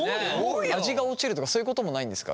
味が落ちるとかそういうこともないんですか？